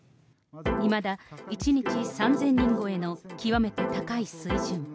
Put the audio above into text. いまだ１日３０００人超えの極めて高い水準。